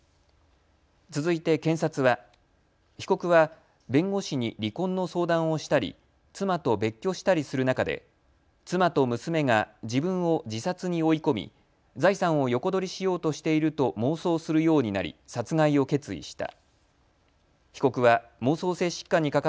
続いて検察は、被告は弁護士に離婚の相談をしたり妻と別居したりする中で妻と娘が自分を自殺に追い込み財産を横取りしようとしていると妄想するようになり殺害を決意した。